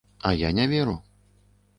А я не веру.